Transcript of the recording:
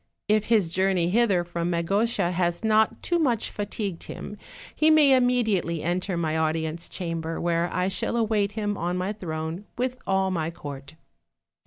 . If his journey hither from Mago tia has not too much fatigued him, he may immediately enter my audience chamber, where I shall await him on my throne, with all my court."